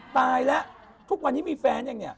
ตายแล้วทุกวันนี้มีแฟนยังเนี่ย